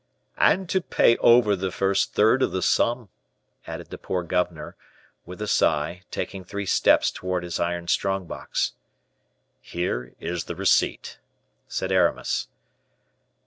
"And to pay over the first third of the sum," added the poor governor, with a sigh, taking three steps towards his iron strong box. "Here is the receipt," said Aramis.